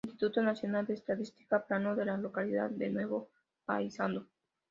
Instituto Nacional de Estadística: "Plano de la localidad de Nuevo Paysandú"